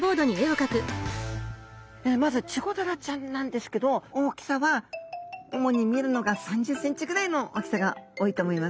まずチゴダラちゃんなんですけど大きさは主に見るのが３０センチぐらいの大きさが多いと思います。